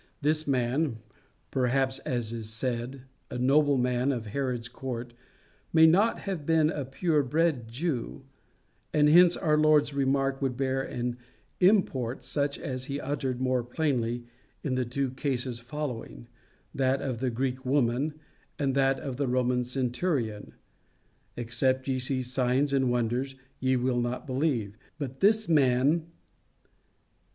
This man perhaps, as is said, a nobleman of Herod's court may not have been a pure bred Jew, and hence our Lord's remark would bear an import such as he uttered more plainly in the two cases following, that of the Greek woman, and that of the Roman centurion: "Except ye see signs and wonders ye will not believe; but this man